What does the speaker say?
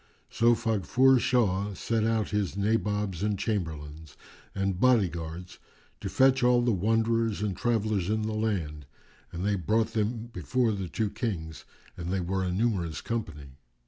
So Faghfur Shah sent out his Nabobs and Chamberlains and body guards to fetch all the wanderers and travellers in the land, and they brought them before the two Kings, and they were a numerous company.